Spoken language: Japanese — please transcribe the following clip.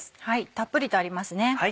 たっぷりとありますね。